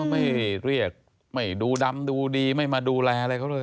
ไม่เรียกไม่ดูดำดูดีไม่มาดูแลอะไรเขาเลย